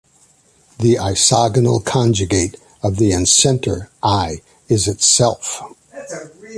The isogonal conjugate of the incentre "I" is itself.